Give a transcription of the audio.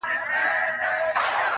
قاضي وکړه فيصله چي دى په دار سي!.